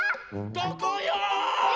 どこよ！